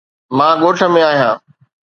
مان ڳوٺ ۾ آهيان.